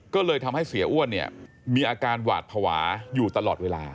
ก็เลยทำให้เสียอ้วนเนี่ยมีอาการหวาดภาวะอยู่ตลอดเวลา